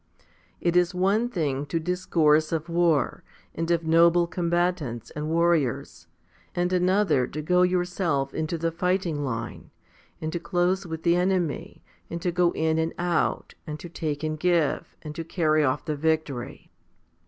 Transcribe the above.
It is one thing to discourse of war, and of noble combatants and warriors, and another to go yourself into the fighting line, and to close with the enemy, and to go in and out, and to take and give, and to carry off the victory.